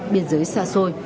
biên giới xa xôi